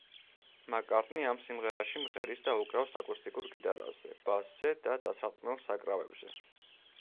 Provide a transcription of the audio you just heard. მაკ-კარტნი ამ სიმღერაში მღერის და უკრავს აკუსტიკურ გიტარაზე, ბასზე და დასარტყმელ საკრავებზე.